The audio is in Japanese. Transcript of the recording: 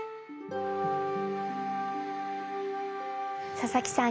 佐々木さん